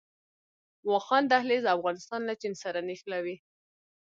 واخان دهلیز افغانستان له چین سره نښلوي